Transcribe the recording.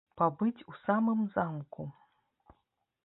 Пабыць у самым замку!